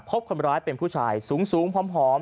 พบคนร้ายเป็นผู้ชายสูงผอม